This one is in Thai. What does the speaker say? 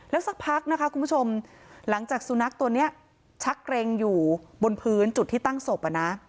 สักพักนะคะคุณผู้ชมหลังจากสุนัขตัวนี้ชักเกร็งอยู่บนพื้นจุดที่ตั้งศพ